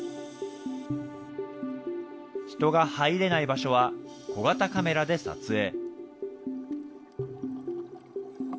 人が入れない場所は、小型カメラで撮影。